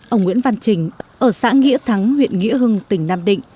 ông nguyễn văn trình ở xã nghĩa thắng huyện nghĩa hưng tỉnh nam định